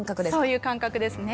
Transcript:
そういう感覚ですね。